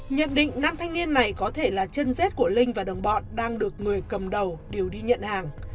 nhận định nam thanh niên này có thể là chân rết của linh và đồng bọn đang được người cầm đầu điều đi nhận hàng